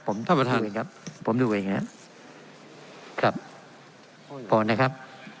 ผมท่านประธานเองครับผมดูเองนะครับครับพอนะครับ